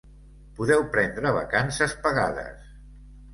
Podeu prendre vacances pagades.